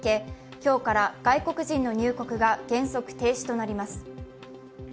今日から外国人の入国が原則停止となります。